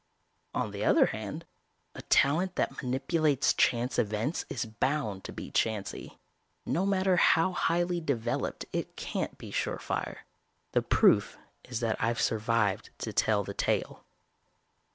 "On the other hand, a talent that manipulates chance events is bound to be chancy. No matter how highly developed it can't be surefire. The proof is that I've survived to tell the tale."